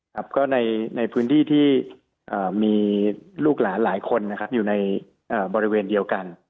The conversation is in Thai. ก็ในพื้นที่ที่มีลูกหลานหลายคนอยู่ในบริเวณเดียวกัน